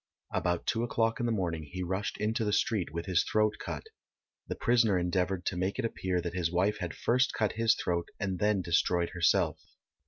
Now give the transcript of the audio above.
About two o'clock in the morning he rushed into the street with his throat cut. The prisoner endeavoured to make it appear that his wife had first cut his throat and then destroyed herself.